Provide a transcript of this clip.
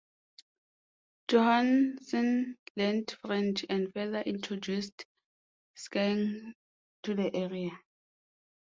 Johannsen learned French and further introduced skiing to the area.